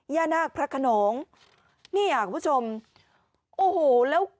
แย่นาคพระขนมเนี่ยคุณผู้ชมโอ้โหแล้ว